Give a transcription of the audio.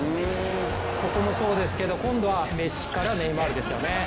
ここもそうですけど、今度はメッシからネイマールですよね。